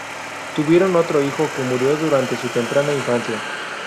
Tuvieron otro hijo que murió durante su temprana infancia.